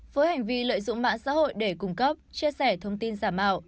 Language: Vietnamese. với hành vi lợi dụng mạng xã hội để cung cấp chia sẻ thông tin giả mạo